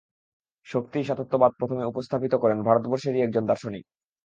শক্তি-সাতত্যবাদ প্রথম উপস্থাপিত করেন ভারতবর্ষেরই একজন দার্শনিক।